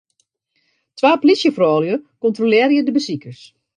Twa plysjefroulju kontrolearje de besikers.